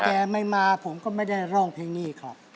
แกไม่มาผมก็ไม่ได้ร้องเพลงนี้ครับ